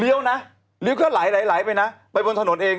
เลี้ยวนะเลี้ยวก็ไหลไปนะไปบนถนนเอง